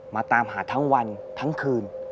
ตามหาทั้งวันทั้งคืน